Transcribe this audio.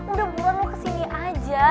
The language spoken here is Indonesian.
udah bulan mau kesini aja